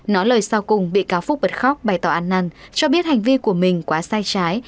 nói lời sau cùng bị cáo phúc bật khóc bày tỏ ăn năn cho biết hành vi của mình quá sai trái